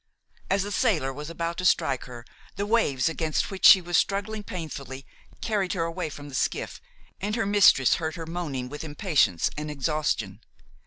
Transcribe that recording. As the sailor was about to strike her, the waves, against which she was struggling painfully, carried her away from the skiff, and her mistress heard her moaning with impatience and exhaustion.